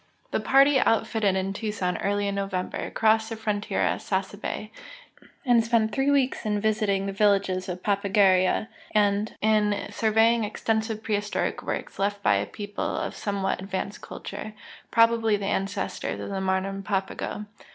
The part}" out fitted in Tucson early in November, cro.ssed the frontier at Sasahe, and spent three weeks in visiting the villages of Papagueria and in surveying extensive prehistoric works left by a people of some what advanced culture, probably the ancestors of the modern Papago.